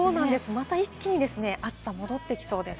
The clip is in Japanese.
また一気に暑さ戻ってきそうです。